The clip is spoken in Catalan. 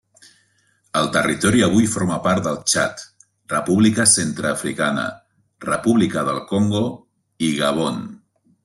El territori avui forma part del Txad, República Centreafricana, República del Congo, i Gabon.